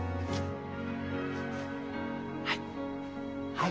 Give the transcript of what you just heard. はい。